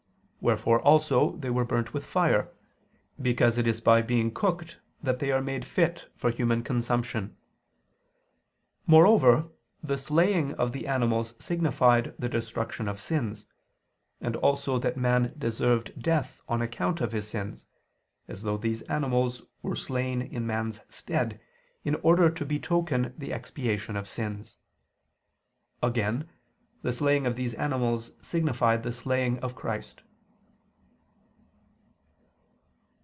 Wherefore also they were burnt with fire: because it is by being cooked that they are made fit for human consumption. Moreover the slaying of the animals signified the destruction of sins: and also that man deserved death on account of his sins; as though those animals were slain in man's stead, in order to betoken the expiation of sins. Again the slaying of these animals signified the slaying of Christ.